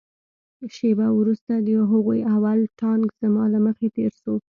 شېبه وروسته د هغوى اول ټانک زما له مخې تېر سو.